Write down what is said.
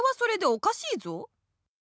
おかしい？